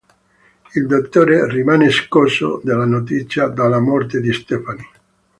Il dottore rimane scosso dalla notizia della morte di Stephanie.